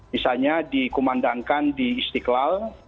misalnya dikumandangkan di istiqlal